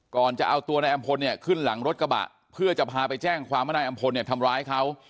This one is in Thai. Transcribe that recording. ก่อนจะเอาตัวนายอำพลเนี่ยขึ้นหลังรถกระบะเพื่อจะพาไปแจ้งความว่านายอำพลเนี่ยทำร้ายเขา